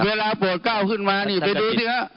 เวลาปวดเก้าขึ้นมานี่ไปดูสิครับ